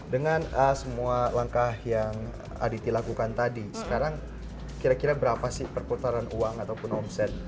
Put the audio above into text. dengan semua langkah yang aditya lakukan tadi sekarang kira kira berapa sih perputaran uang ataupun omset